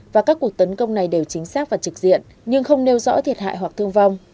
và các cuộc tấn công này đều chính xác và trực diện nhưng không nêu rõ thiệt hại hoặc thương vong